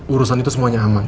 urusan itu semuanya aman